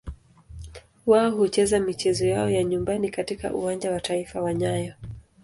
Wao hucheza michezo yao ya nyumbani katika Uwanja wa Taifa wa nyayo.